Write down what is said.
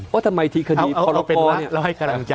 เอาเป็นละเราให้กำลังใจ